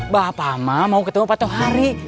bapak mama mau ketemu patuhari